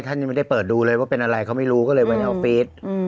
ท่านยังไม่ได้เปิดดูเลยว่าเป็นอะไรเขาไม่รู้ก็เลยไปในออฟฟิศ